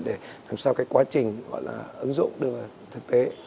để làm sao cái quá trình ứng dụng được thực tế